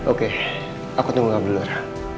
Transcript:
oke aku tunggu gak beli luar